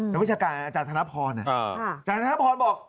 วิชาการอาจารย์ธนพรอาจารย์ธนพรบอก